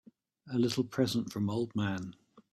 A little present from old man.